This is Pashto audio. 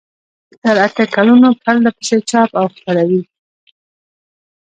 تر اته کلونو پرلپسې چاپ او خپروي.